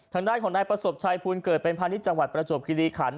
ทางด้านของนายประสบชัยภูลเกิดเป็นพาณิชย์จังหวัดประจวบคิริขัน